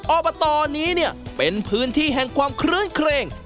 ออปาตอนีเป็นพื้นที่แห่งความเคลือ่นเคร่ง